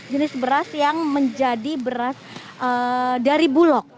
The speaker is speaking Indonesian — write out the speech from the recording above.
jenis beras yang menjadi beras dari bulog